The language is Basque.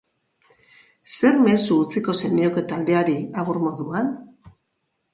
Zer mezu utziko zenioke taldeari agur moduan?